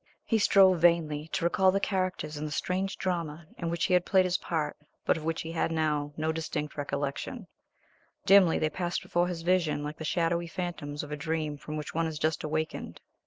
He strove vainly to recall the characters in the strange drama in which he had played his part but of which he had now no distinct recollection; dimly they passed before his vision like the shadowy phantoms of a dream from which one has just awakened.